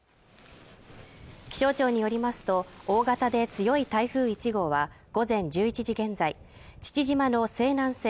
気象庁によりますと大型で強い台風１号は午前１１時現在父島の西南西